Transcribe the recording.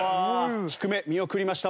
低め見送りました。